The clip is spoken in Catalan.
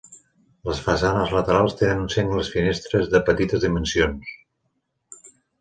Les façanes laterals tenen sengles finestres de petites dimensions.